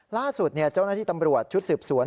ล่าสุดเจ้าหน้าที่ตำรวจชุดสืบสวน